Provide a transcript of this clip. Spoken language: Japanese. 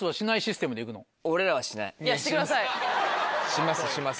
しますします。